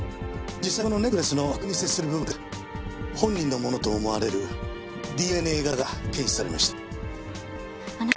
実際このネックレスの首に接する部分から本人のものと思われるＤＮＡ型が検出されました。